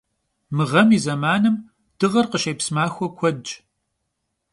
Mı ğem yi zemanım dığer khışêps maxue kuedş.